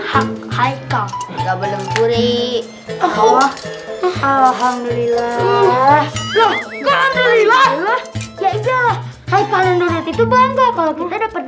hai kau gak boleh ngurik allah alhamdulillah ya iyalah hai kalau itu bangga kalau kita dapat